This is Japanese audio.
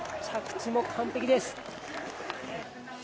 着地も完璧です。